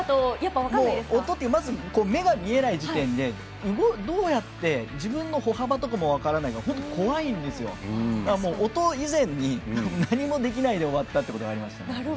まず目が見えない時点でどうやって自分の歩幅とかも分からないから怖いんですよ、音以前に何もできないで終わったということがありましたね。